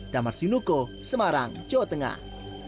damar sinuko semarang jawa tengah